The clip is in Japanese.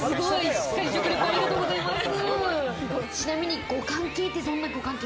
しっかり食リポ、ありがとう恋人です。